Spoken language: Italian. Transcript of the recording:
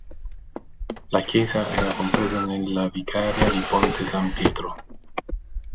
La chiesa era compresa nella vicaria di Ponte San Pietro.